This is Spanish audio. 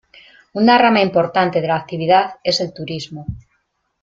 Una rama importante de la actividad es el turismo.